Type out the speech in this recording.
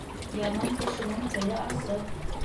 Яман кешенең теле асы.